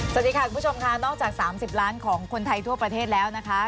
สวัสดีค่ะคุณผู้ชมค่ะนอกจาก๓๐ล้านของคนไทยทั่วประเทศแล้วนะคะ